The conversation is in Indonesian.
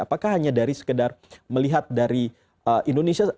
apakah hanya dari sekedar melihat dari indonesia